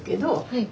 はい。